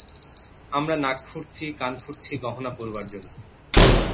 আমরা নাক ফুঁড়ছি, কান ফুঁড়ছি গহনা পরবার জন্য।